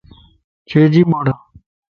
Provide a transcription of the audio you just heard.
ڇي جي ٻوڙائي؟